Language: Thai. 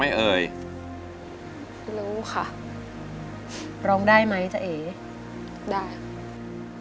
เพลงแรกของเจ้าเอ๋ง